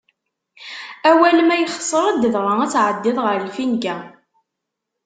Awal ma yexṣer-d, dɣa ad tɛeddiḍ ɣer lfinga.